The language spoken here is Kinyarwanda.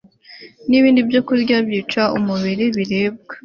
nibindi byokurya byica umubiri biribwa